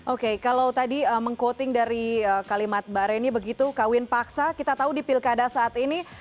oke kalau tadi meng quoting dari kalimat mbak reni begitu kawin paksa kita tahu di pilkada saat ini